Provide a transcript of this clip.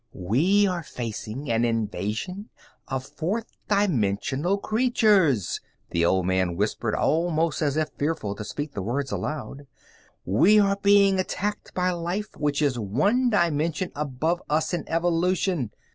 "We are facing an invasion of fourth dimensional creatures," the old man whispered, almost as if fearful to speak the words aloud. "We are being attacked by life which is one dimension above us in evolution.